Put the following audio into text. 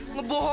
nggak bisa jujur